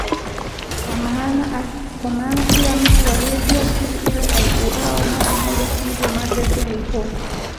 Kwa maana kila mtu aliyejua siri ile aliuawa mara moja hivyo Magreth alihofu